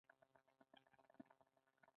افغانستان له د افغانستان ولايتونه ډک دی.